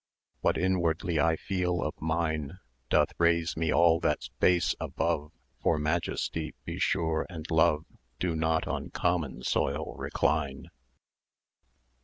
What inwardly I feel of mine Doth raise me all that's base above; For majesty, be sure, and love Do not on common soil recline.